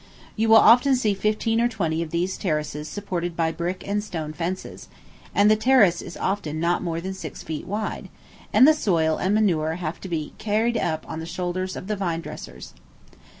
You will often see fifteen or twenty of these terraces supported by brick and stone fences, and the terrace is often not more than six feet wide; and the soil and manure have all to be carried up on the shoulders of the vine dressers.